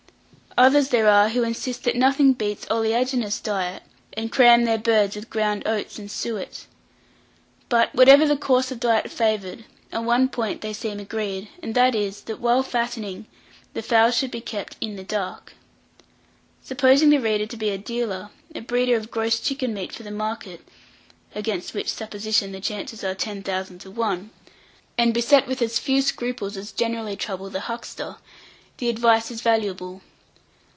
Others there are who insist that nothing beats oleaginous diet, and cram their birds with ground oats and suet. But, whatever the course of diet favoured, on one point they seem agreed; and that is, that, while fattening, the fowls should be kept in the dark. Supposing the reader to be a dealer a breeder of gross chicken meat for the market (against which supposition the chances are 10,000 to 1), and beset with as few scruples as generally trouble the huckster, the advice is valuable.